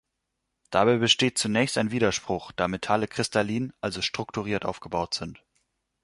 Dabei besteht zunächst ein Widerspruch, da Metalle kristallin, also strukturiert aufgebaut sind.